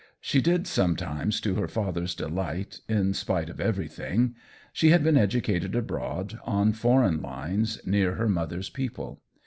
She did some times, to her father's delight, in spite of everything; she had been educated abroad, on foreign lines, near her mother's people.